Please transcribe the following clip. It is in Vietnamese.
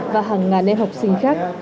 và hàng ngàn em học sinh khác